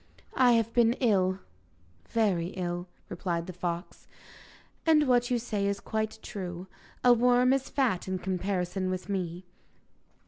'I have been ill very ill,' replied the fox, 'and what you say is quite true. A worm is fat in comparison with me.